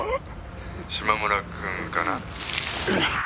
「嶋村君かな？」